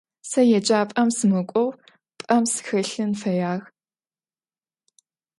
Сэ еджапӏэм сымыкӏоу пӏэм сыхэлъын фэягъ.